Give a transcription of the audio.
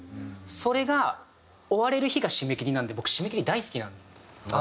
それが終われる日が締め切りなんで僕締め切り大好きなんですよ。